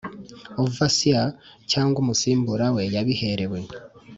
Overseer cyangwa umusimbura we yabiherewe